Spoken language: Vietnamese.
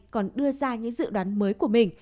còn đưa ra những dự đoán mới của mình